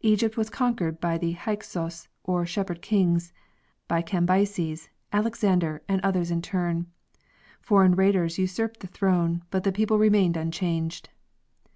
Egypt was conquered by the Hyksos or shepherd kings, by Cambyses, Alexander, and others in turn; foreign rulers usurped the throne, but the people remained unchanged.